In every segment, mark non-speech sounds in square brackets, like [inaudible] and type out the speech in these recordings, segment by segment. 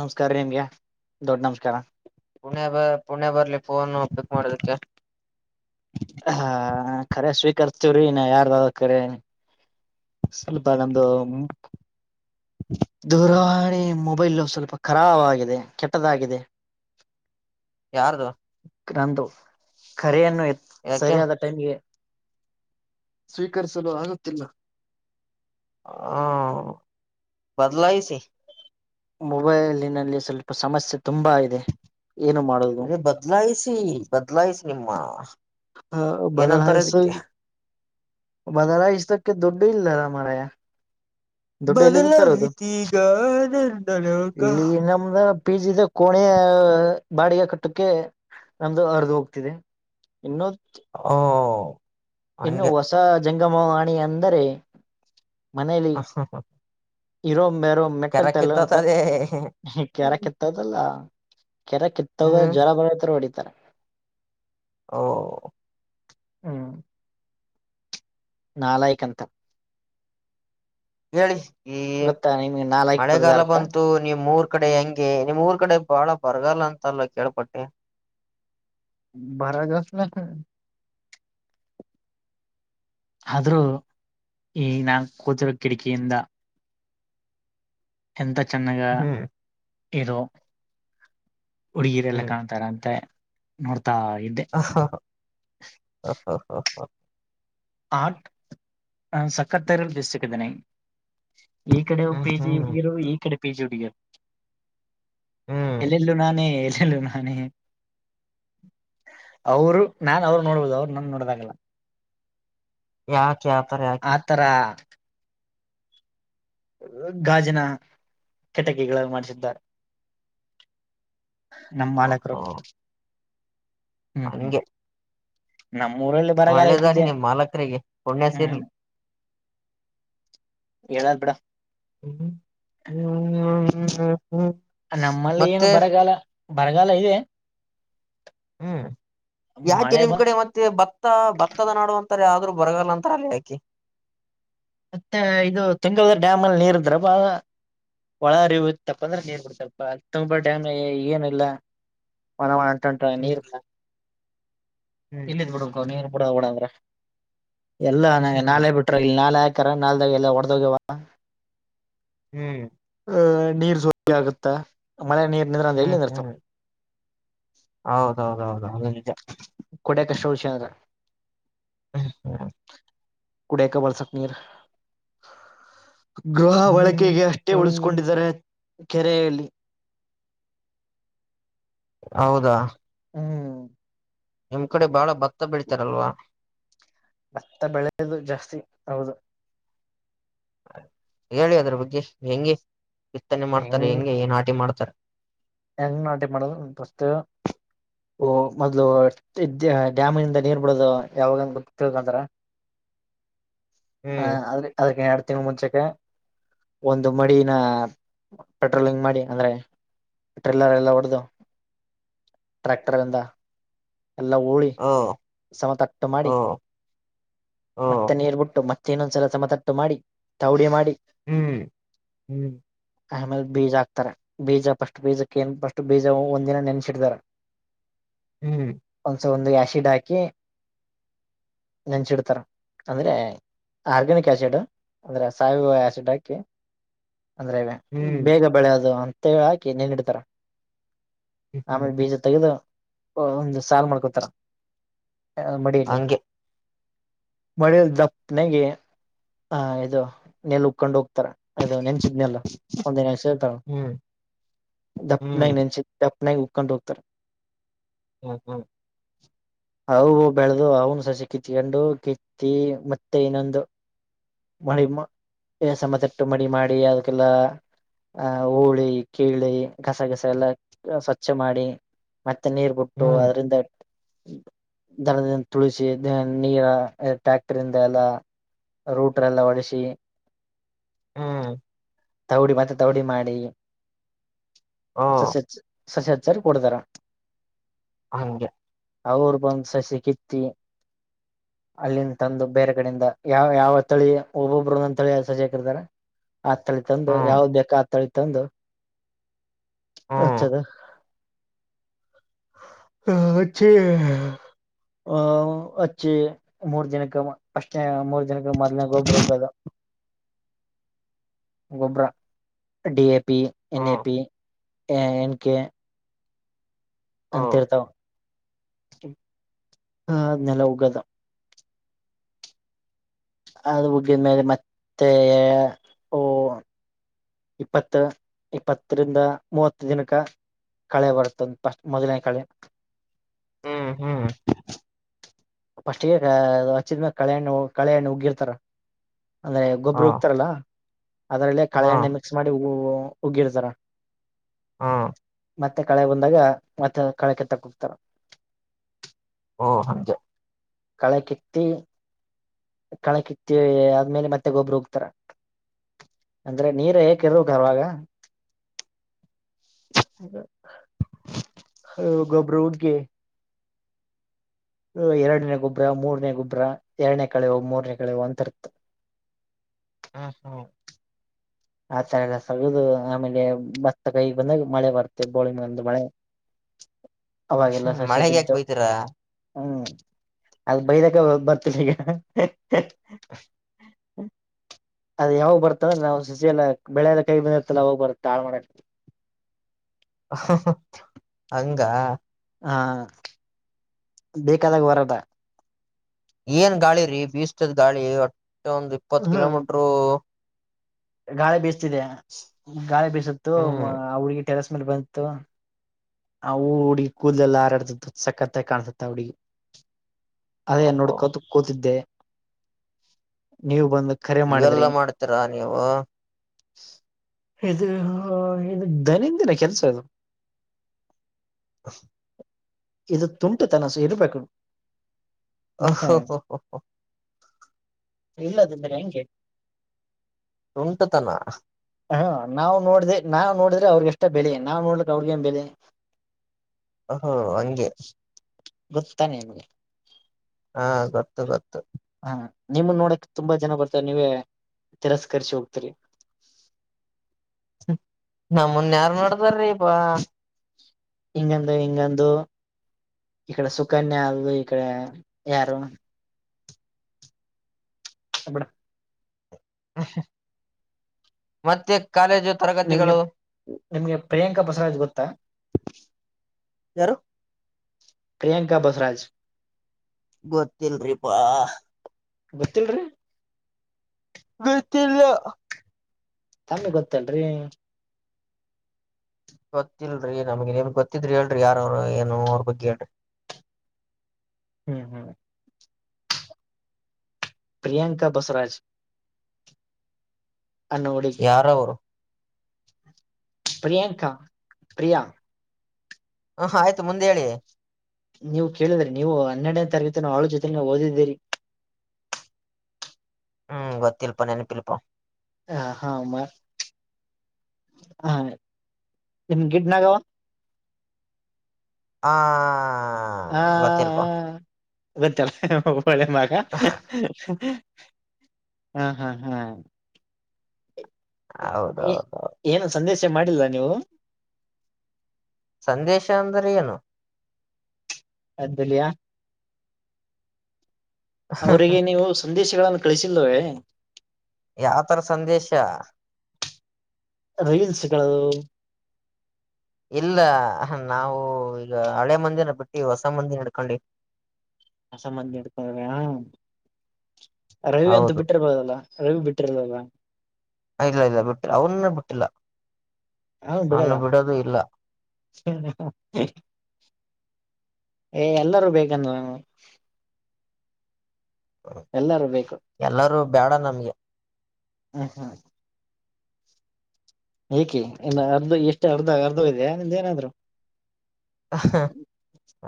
ನಮಸ್ಕಾರ ರೀ ಮಿಯಾ ದೊಡ್ಡ ನಮಸ್ಕಾರ ಪುಣೆ ಬ ಪುಣೆ ಬರ್ಲಿ ಫೋನು ಪಿಕ್ ಮಾಡಿದಕ್ಕೆ ಹಾ ಕರೆ ಸ್ವೀಕರಿಸತೀವ್ರೀ ನಾ ಯಾರ್ದಾದ ಕರೆನೇ ಸ್ವಲ್ಪ ನಂದು ದೂರವಾಣಿ ಮೊಬೈಲ್ ಸ್ವಲ್ಪ ಖರಾಬ್ವ ಗಿದೆ ಕೆಟ್ಟದಾಗಿದೆ ಯಾರ್ದು ರಂದು ಕರೆಯನ್ನು ಎ ಯಾಕೆ ಸರಿಯಾದ ತಗಿ ಸ್ವೀಕರಿಸಲು ಆಗುತ್ತಿಲ್ಲ ಹಾ ಬದಲಾಯಿಸಿ ಮೊಬೈಲಿನಲ್ಲಿ ಸ್ವಲ್ಪ ಸಮಸ್ಯೆ ತುಂಬಾ ಇದೆ ಏನು ಮಾಡೋದು ನೀವ ಬದ್ಲಾಯಿಸಿ ಬದ್ಲಾಯಿಸಿ ನಿಮ್ಮ ಹ ಏನಂತಾರೆ ಬದಲಾಯಿಸ ಅದಕ್ಕೆ ಬದಲಾಯಿಸತಕ ದುಡ್ಡು ಇಲ್ಲಾರ ಮಾರ ಯ ದುಡ್ಡ ಎಲ್ಲಿಂದ ತರದು ಬದಲಾಯಿತೀಗ ನನ್ನ ಲೋಕ ಇಲ್ಲಿಗೆ ನಮ್ದ ಪಿಜಿ ಕೋಣೆಯ ಬಾಡಿಗೆ ಕಟ್ಟಕ್ಕೆ ನಮ್ದು ಹರಿದು ಹೋಗ್ತಿದೆ ಇನೋ ಹ ಇನ್ನು ಹೊಸ ಜಂಗಮವಾಣಿ ಅಂದರೆ ಮನೇೆಯಲ್ಲಿ ಹಾ ಹ ಇರೋ ಮೇರೋ ಮೆಟ್ಟಲ್ ತಲ್ಲಂತ ಕಿತ್ತೋತದೆ ಕೆರ ಕಿತ್ತೋದಲ್ಲ ಕೆರೆ ಕಿತ್ತ ಹ್ಮ್ ಜನ ಬರತರ ಹೊಡಿತಾನ ಹ ಹ್ಮ ನಾಲಾಯಕ್ ಅಂತ ಹೇಳಿ ಏ ಗೊತ್ತಾ ನಿಮ್ಗೆ ನಾಲಾಯಕ್ ಪದದ ಮಳೆಗಾಲ ಅರ್ಥ ಬಂತು ನಿಮ್ಮೂರ. ಕಡೆ ಹೆಂಗೆ ನಿಮ್ಮಊರ್ ಕಡೆ ಬಾಳ ಬರಗಾಲಂತಲ್ಲ ಕೇಳಪಟ್ಟೆ. ಬರಗಾಲ. ಆದ್ರೂ ಈ ನಾ ಕೂತಿರೋ ಕಿಡಕಿಯಿಂದ. ಹೆಂತ ಚೆನ್ನಾಗ ಹ್ಮ್ ಇದು. ಹುಡುಗೀರೆಲ್ಲ ಹ್ಮ್ ಕಾಣ್ತಾರಂತೆ ನೋಡ್ತಾ ಇದ್ದೆ. ಹ ಹ ಹ ಹಾ ಹಾ ಹಾ ಹಾಟ್ ನಾನ್ ಸಕ್ಕತೇರಲ್ ಬಿಸಕೀದೀನಿ. ಈ ಕಡೆಯು ಪಿ ಜಿ ಹ್ಮ್ ಹುಡುಗಿಯರು ಈ ಕಡೆ ಪಿ ಜಿ ಹುಡ್ಗ್ಯರು. ಹ್ಮ್ ಎಲ್ಲೆಲ್ಲೂ ನಾನೇ ಎಲ್ಲೆಲ್ಲೂ ನಾನೇ. ಅವರು ನಾನ್ ಅವ್ರು ನೋಡ್ಬೋದು ಅವ್ರು ನನ್ನ ನೋಡ್ದಾಗಲ್ಲ. ಯಾಕೆ ಆತರ ಯಾಕೆ. ತರಾ ಗಾಜಿನ ಕೆಟಕಿಗಳು ಮಾಡ್ಸಿದ್ದಾರೆ. ನಮ್ ಮಾಲಕ್ರು ಓಹೋ ಹ್ಮ್ ಹ್ಮ್ ಹಂಗೆ ನಮ್ಮೂರಲ್ಲ ಒಳ್ಳೇದಾರಿ ನಿಮ್ ಮಾಲಕರಿಗೆ ಪುಣ್ಯ ಹ್ಮ್ ಸೀರಲೀ. ಹೇಳಲ್ ಬಿಡ. ಹ್ಮ ಹ್ಮ ಹ್ಮ [unintelligible] ನಮ್ಮಲ್ಲಿ ಏನು ಬರಗಾಲ ಬರಗಾಲ ಇದೆ. ಹ್ಮ್ ಯಾಕೆ ಮಳೆ ನಿಮ್ ಬ ಕಡೆ ಮತ್. ತ್ತೆ ಭತ್ತ ಭತ್ತದ ನಾಡು ಅಂತಾರ ಆದ್ರು ಬರಗಾಲ್ ಅಂತಾರಲ ಯಾಕೆ. ಮತ್ತೆ ಇದು ತಿಂಗಳದ ಡ್ಯಾಮಲ್ಲಿ ನೀರ್ ಇದ್ರ ಬಾಳ. ಒಳ ಹರಿವು ಇತ್ತಪ್ಪಂದ್ರ ನೀರ್ ಬಿಡ್ತಾರಪ್ಪ ತುಂಬ ಡ್ಯಾಮ ಏನ ಇಲ್ಲ. ಒನ ಒಂಟೊಂಟ ಹ್ಮ್ ನೀರ್ ಇಲ್ಲ್ ಹ್ಮ್ [unintelligible] ಬಿಡು. ನೀರ ಬಿಡ ಬಿಡಂದ್ರ ಎಲ್ಲ ನಗೆ [unintelligible] ಹ್ಮ್ ನಾಲೆ ಬಿಟ್ರ ಇಲ್ಲಿ ನಾಲೆ ಹಾ ತರ ನಾಲ್ದ್ಯಾಗ ಎಲ್ಲ ಒಡದೋಗ್ಯವ. ಹ್ಮ್ ಅಹ ನೀರ್ ಸೋ [unintelligible] ಆಗುತ್ತಾ ಮಳೆ ನೀರ್ ನಿಂದ್ರಂದ್ರ ಎಲ್ಲಿ ಹ್ಮ್ ನಿಂದ್ರತವ್. ಹ್ಮ್ ಹೌದೌದೌದು ಅದು ನಿಜ. ಕುಡ್ಯಕಷ್ಟ ಉಳಷ್ಯಂದ್ರ. ಹ್ಮ ಹ ಕುಡೆಕ್ ಬಳಸಕ್ ನೀರ. ಗೃಹ ಹ್ಮ್ ಬಳಕೆಗೆ ಅಷ್ಟೇ ಹ್ಮ್ ಉಳಿಸಕೊಂಡಿದ್ದಾರೆ ಕೆರೆಯಲ್ಲಿ. ಹೌದಾ ಹ್ಮ್ ನಿಮ್ ಕಡೆ ಬಾಳ ಭತ್ತ ಬೆಳೀತಾರಲ್ವಾ. ಭತ್ತ ಬೆಳೆದು ಜಾಸ್ತಿ ಹೌದು. ಹೇಳಿ ಅದ್ರ ಬಗ್ಗೆ ಹೆಂಗೆ ಬಿತ್ತನೆ ಮಾಡ್ತಾರೆ ಹೆಂಗೆ ಏ ನಾಟಿ ಮಾಡ್ತಾರ. ಹೆಂಗ ನಾಟಿ ಮಾಡದು ಫಸ್ಟು ಓ ಮೊದ್ಲು. [unintelligible] ಡ್ಯಾಮಿಂದ ನೀರ್ ಬಿಡೋದು ಯಾವಾಗಂಗ ಗೊತ್ತ [unintelligible] ತಿಳ್ಂದ್ರ ಹಾ ಹ್ಮ್ ಆದ್ರೆ ಅದಕ್ಕೆ ಎರಡ ತಿಂಗಳ ಮುಂಚೆಕ್ಕೆ ಒಂದು ಮಡಿನ ಪೆಟ್ರೋಲಿಂಗ್ ಮಾಡಿ ಅಂದ್ರೆ. ಟ್ರಿಲ್ಲರ್ ಎಲ್ಲ ಹೊಡದು ಟ್ರ್ಯಾಕ್ಟರಿಂದ. ಎಲ್ಲ ಹೂಳಿ ಓ ಸಮತಟ್ಟ ಮಾಡಿ. ಓ ಓ ಮತ್ತೆ ನೀರ್ ಬಿಟ್ಟು ಮತ್ತೆ ಇನ್ನೊಂದ್ಸಲ ಸಮತಟ್ಟು ಮಾಡಿ ತೌಡಿ ಮಾಡಿ. ಹ್ಮ್ ಹ್ಮ್ ಆಮೇಲೆ ಬೀಜ ಹಾಕ್ತಾರ ಬೀಜ ಫಸ್ಟ್ ಬೀಜಕ್ಕೇನ ಫಸ್ಟ್ ಬೀಜ ಒಂದಿನ ನೆನ್ಸಿಡ್ತಾರ. ಹ್ಮ್ ಒಂದ್ಸ ಒಂದು ಯಾಶಿಡ್ ಹಾಕಿ ನೆನ್ಶಿಡ್ತಾರ ಅಂದ್ರೆ. ಆರ್ಗ್ಯನಿಕ್ ಯಾಸಿಡ್ ಅಂದ್ರೆ ಸಾವಯವ ಯಾಸಿಡ್ ಹಾಕಿ. ಅಂದ್ರೆವೆ ಹ್ಮ್ ಬೇಗ ಬೆಳೆಯೋದು ಅಂತ ಹಾಕಿ ನೀನ್ ಇಡ್ತಾರ ಹ್ಮ್ ಆಮೇ ಬೀಜತಗದು ಒಂದು ಸಾಲ್ ಮಾಡ್ಕೊತಾರ ಮಡಿಯಲ್ಲಿ ಹಂಗೆ ಮಳೇಲ್ ದಪ್ಪನಾಗ ಆ ಇದು ನೆಲ್ ಉಕೊಂಡು ಹೋಗ್ ಅದು ನೆನ್ಸಿದ್ನಲ್ಲ ಒಂದನ ಸೇಳ್ತ ಹ್ಮ್ ಹ್ಮ್ ದಪ್ಪನಾಗ ನೆನ್ಸಿದ್ ಎಪ್ಪನ ಉಪ್ಕೊಂಡ್ಗತಾರೆ ಹ್ಮ ಹ್ಮ ಅವು ಬೆಳೆ್ದ ಅವ್ನು ಸಸಿ ಕಿತ್ಕೊಂಡು ಕಿ ಮತ್ತೆ ಇನೊಂದು ಮಳ ಸಮತಟ್ಟು ಮಡಿ ಮಾಡಿ ಅದಕ್ಕೆಲ್ಲ. ಆಹ್ ಹೋಳಿ ಕೀಳಿ ಗಸಗಸ ಎಲ್ಲ ಸ್ವಚ್ಛ ಮಾಡಿ. ನೀರ್ ಬಿಟ್ಟು ಹ್ಮ್ ಅದ್ರಂದ ದರದಿಂದ ತುಳಸಿ ನೀರ ಟ್ಯಾಕ್ಟರ್ ಇಂದ ಎಲ್ಲ ರೂಟ್ರಲ್ಲ ಒಡಸಿ ಹಾ ತೌಡಿ ಮತ್ತೆ ತೌಡಿ ಮಾಡಿ ಓ ಸಸ್ಯಚ್ಚ ಸಸ್ಯ ಹಚ್ಚಾರ್ ಕೊಡದಾರ ಹೆಂಗೇ ಅವರು ಬಂದ್ ಸಸಿ ಕಿತ್ತಿ ಅಲ್ಲಿಂದ ತಂದು ಬೇರೆ ಕಡೆಯಿಂದ ಯಾವ ಯಾವ ತಳಿ ಒಬ್ಬೊಬ್ರು ತಳಿ ಸಸಿ ಹಾಕಿರ್ತಾರ ಆ ತಳಿ ತಂದು ಹ್ಮ್ ಯಾವ್ದ ಬೇಕು ಆ ತಳಿ ತಂದು ಹ್ಮ್ ಹತದ ಹಚ್ಚೆ ಆ ಅಚ್ಚಿ ಮೂರ್ ದಿನಕ್ಕೆ ಅಷ್ಟೇ ಮೂ ಮೊ್ನ ಗೊಬ್ರು ಹೋಗದು ಗೊಬ್ಬ್ರ D A P N A ಹ್ಮ್ ಪಿ ಎನ್ ಎಕ್ಕೆ ಓ ಅಂತಿರ್ತವ ಅದ್ನೆೆಲ್ಲ ಊಗದ ಅದ ಉಗ್ಗಿದ್ಮೇಲೆ ಮತ್ತೆ ಓ ಇಪ್ಪತ್ ಇಪ್ಪತ್ತರಿಂದ ಮೂವತ್ತು ದಿನಕ ಕಳೆ ಬರುತ್ತ ಪಫಸ್ಟ್ ಮೊದಲನೇ ಕಳೆ ಹ್ಮ್ ಹ್ಮ್ ಫಸ್ಟ್ಗೆಗೆ ಅದ ಹಚ್ಚಿದ ಮೇಲ್ ಕಳಹಣ್ಣ ಕಳಹಣ್ ಉಗಿರ್ತಾರ. ಅಂದ್ರೆ ಹ ಎಗ್ಗೊಬ್ಬರು ಉಗ್ತಾರಲ್ಲಾ ಅದರಲ್ಲೇ ಕಳೆ ಹಾ ಎಣ್ಣೆ ಮಿಕ್ಸ್ ಮಾಡಿ ಉ ಉಗಿರ ಜರ ಹಾ ಮತ್ತೆ ಕಳೆ ಬಂದಾಗ ಮತ್ತೆ ಕಳೆ ಕೆತ್ತ ಕ ಹೋಗ್ತಾರ. ಹ ಹಂಜೆ ಕಳೆ ಕಿತ್ತಿ ಕಳೆ ಕಿತ್ತಿ ಆದದ್ಮೇಲೆ ಮತ್ತೆ ಗೊಬ್ಬರ ಹೋಗತಾರ ಅಂದ್ರ ನೀರ ಏಕ್ ಇರ್ವಾಗ ಹಗ್ ಹ ಗೊಬ್ಬರ ಹುಡ್ಗಿ ಎರಡನೇ ಗೊಬ್ಬರ ಮೂರನೇ ಗೊಬ್ಬರ ಎರಡನೇ ಕಳೆವು ಮೂರನೇ ಕಳೆವು ಅಂತಿರತ್ತ. ಹಾ ಹಾ ಆಥರ ಎಲ್ಲ ಸಗದು ಆಮೇಲೆ ಭತ್ತ ಕೈಗೆ ಬಂದಾಗ ಮಳೆ ಬರತ್ತೆ ಬೋಳಿ ಮಗಂದ ಮಳೆ ಅವಾಗೆಲ್ಲ ಸಸ್ಯ ಮಳೆಗೆ ಯಾಕ ಬಿದ್ದು ಬೈತೀರಾ ಹ್ಮ್ ಅದ ಬೈದಾಗ ಬರ್ತ ಈಗ ಅದ ಯಾವಾಗ ಬರ್ತದ ನಾವವು ಸಸಿ ಎಲ್ಲ ಬೆಳೆಲ್ಲ ಕೈ ಬಂದಿರ್ತಲ್ಲ ಅವಾಗ್ ಬರ್ತ್ತಾ ಆಾು ಮಾಡ ಹ ಹ ಹಂಗ ಹಾ ಬೇಕಾದಾಗ ವರದ ಏನ್ ಗಾಳಿ ರೀ ಬೀಸತದ್ ಗಾಳಿ ಒಟ್ಟೆ ಒಂದ ಇಪ್ಪತ್ ಹ್ಮ್ ಕಿಲೋಮೀಟರು ಗಾಳಿ ಬೀಸತಿದೆ ಗಾಳಿ ಬೀಸುತ್ತತ್ತು ಹ್ಮ್ ಹುಡ್ಗಿ ಟೆರಸ್ ಮೇಲೆ ಬಂತು ಆ ಹುಡಿಗೆ ಕೂದ್ಲಯಲ್ಲ ಹಾರಾಡ್ತಿತ್ತು ಸಕ್ಕತ್ತಗಿ ಕಾಣಸತ್ತ ಆ ಹುಡಗಿ ಅದೇ ಓಹೋ ನೋಡ್ಕೋತ ಕೂತಿದ್ದೆ ನೀವು ಬಂದ ಇವೆಲ್ಲಾ ಮಾಡ್ತೀರಾ ನೀವು ಇದೇ ಹಾ ಇದ ದರಿದ್ರ ಕೆಲಸ ಇದ ಹ ಇದು ತುಂಟ ತನಸ ಇರ್ಬೇಕು ಮ [inaudible] ಓಹೋ ಇಲ್ಲ ದೀದರೆ ಹೆಂಗೆ ತುಂಟತನ ಹ್ಮ ನಾವವು ನೋಡ್ದೆ ನಾವು ನೋಡಿದ್ರೆ ಅವ್ರಿಗಷ್ಟ ಬೆಲೆ ನಾವ ನೋಡಲೀಕ ಅವ್ರಿಗೆ ಏನ ಬೆಲೆ ಹ ಹಂಗೆ ಗೊತ್ತಾನಿಗೆ ಹಾ ಗೊತ್ತು ಗೊತ್ತು ಹಾ ನಿಮ್ಮನ ನೋಡಕ್ ತುಂಬಾ ಜನ ಬರ್ತಾರೆ ನೀವೇ ತಿರಸ್ಕರ್ರಿಸಿ ಹೋಗ್ತೀರಿ ನಮ್ಮನ್ ಯಾರ ನೋಡತಾರೀ ಪಾ ಹಿಗದ ಹಿಗಂದು ಇಕಡೆ ಸುಕನ್ಯ ಆದ ಇಕಡೆ ಯಾರು ತಬಡಾ [unintelligible] ಮತ್ತೆ ಕಾಲೇಜ್ ನಿಮ್ಗೆ ನಿಮ್ಗೆ ಪ್ರಿಯಾಂಕಾ ಬಸವರಾಜ್ ಗೊತ್ತಾ ಯಾರು ಪ್ರಿಯಾಂಕ ಬಸವರಾಜ ಗೊತ್ತಲ್ರಿ ಪಾ ಗೊತ್ತಿಲ್ರಿ ಗೊತ್ತಿಲ್ಲ ತನ್ನ ಗೊತ್ತಿಲ್ರಿ ಗೊತ್ತಿಲ್ರರಿ ನಮ್ಗೆ ನೀಮ ಗೊತ್ತಿದ್ರಿ ಹೇಳ್ರಿ ಯಾರ ಅವರು ಏನು ಅವ್ರ ಬಗ್ಗೆ ಹೇಳ್ರಿ [unintelligible] ಹ್ಮ್ ಹ್ಮ್ [unintelligible] ಪ್ರಿಯಾಂಕಾ ಬಸರಾಜ್ ಅನ್ನ ಹುಡುಗಿ [unintelligible] ಯಾರವ್ರು ಪ್ರಿಯಾಂಕಾ ಪ್ರಿಯಾ [unintelligible] ಹ ಆಯ್ತು ಮುಂದೆ ಹೇಳಿ [unintelligible] ನೀವು ಕೇಳಿದ್ರ ನೀ ಹೆರಡನೇ ತೀಕುವುಾಳ ಜೊತೆನ ಓದಿದ್ದೀರಿ [unintelligible] ಹ್ಮ್ ಗೊತ್ತಿಲ್ಪೋ ನೆನ ಪಲ್ಪ [unintelligible] ಹ ಹಾಮ್ಮ ಹ ನಿಮ ಗಿಡ್ನಾಗಾವ [unintelligible] ಆ [unintelligible] ಹಾ ಗೊತ್ತಿಲ್ಪಾ ಹ ಹಾ [unintelligible] ಇ ಚಲ ಒಳ್ಳೆ ಮಾಗ ಹಾ ಹಾ ಹಾ [unintelligible] ಹೌದೌದೌದು ಏನು ಸಂದೇಶ ಮಾಡಿಲ್ಲ ನೀವು [unintelligible] ಸಂದೇಶ ಅಂದ್ರ ಏನು [unintelligible] ಅ್ದಲಯಾ [unintelligible] ಅವರಿಗೆ ನೀವು ಸಂದೇಶಗಳನ್ನು ಕಳಿಸಲ್ವೇ [unintelligible] ಯಾವತರ ಸಂದೇಶ [unintelligible] ರೀಲ್ಸ್ಗಳುದು [unintelligible] ಇಲ್ಲ ನಾವು ಈಗ ಹಳೆ ಮಂದಿನ ಬಿಟ್ಟು ಹೊಸ ಮಂದಿ ನಡ್ಕೊಂಡಿ [unintelligible] ಹಸ ಮಂದಿ ಇಡ್ತ್ರ [unintelligible] ರವಿ ಅಂತೂ ಹೌದು ಬಿಟ್ಟಿರ್ಬೋದಲ್ಲ ರವಿ ಬಿಟ್ಟಿರ್ದಲ್ಲ [unintelligible] ಇಲ್ಲ ಇಲ್ಲ ಬಿಟ್ಟಿಲ್ಲ ಅವ್ನ್ನ ಬಿಟ್ಟಿಲ್ಲ [unintelligible] ಹಾ ಅವನ್ನ ಬಿಡಲ್ಲ ಬಿಡೋದು ಇಲ್ಲ [unintelligible] ಏ ಎಲ್ಲರೂ ಬೇಕಂದ ನ [unintelligible] ಹ [unintelligible] ಎಲ್ಲರೂ ಬೇಕು [unintelligible] ಎಲ್ಲಾರೂ ಬೇಡ ನಮ್ಗೆ [unintelligible] ಹ್ಮ ಹಾ [unintelligible] ಏಕೆ, ಇನ್ನು ಅರ್ಧ ಎಷ್ಟು? ಅರ್ಧ, ಅರ್ಧ ಇದೆಯಾ! ನಿಂದ, ಏನಾದ್ರು? [inaudible]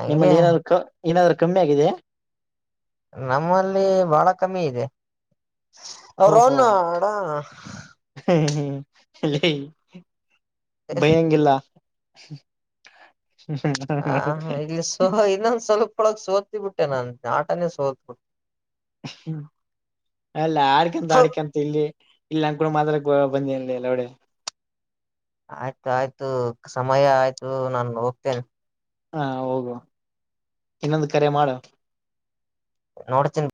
ಹಂಗೆ ನಿಮ್ಮಲ್ಲಿ ಏನಾದ್ರು! ಕ ಏನಾದರು ಕಮ್ಮಿ, ಆಗಿದ್ದೀಯಾ? [inaudible] ನಮ್ಮಲ್ಲಿ, ಬಾಳ ಕಮ್ಮಿ ಇದೆ? ಅವ್ರನು ಅಡ? [inaudible] ಹ್ಮ್, ಹ್ಮ್, ಹೇ, ಇಲ್ಲ ಭಯಂಗಿಲ್ಲ! [unintelligible] ಹ್ಮ, ಹ. [inaudible] ಆ, ಇಲ್ಲಿ ಸುಮ್ನೆ, ಇನ್ನೊಂದ ಸ್ವಲ್ಪೊಳಗ್ ಸೋತಿಬಿಟ್ಟೆ, ನನ್ ಆಟನೇ ಸೋತ್ಬಿಟ್ಟೆ? [inaudible] ಅಲ್ಲ ಆಡ್ಕೊಂಡು ಹಾಡಿಕೊಂಡ? [inaudible] ಇಲ್ಲಿ, ಇಲ್ಲಿ, ಅನ್ಕೊಂಡಿದ್ದೆ ಮಾಡಕ್ಕೆ ಬಂದ ಲೌಡೆ-.. [inaudible] ಆಯ್ತು ಆಯ್ತು ಸಮಯ! ಆಯ್ತು ನಾನು ಹೋಗ್ತೇನೆ? [inaudible] ಹಾ, ಹ, ಹೋಗುವ! ಇನ್ನೊಂದು ಕರೆ ಮಾಡು? - [inaudible] ನೋಡ್ ಚಿನ್?. [inaudible]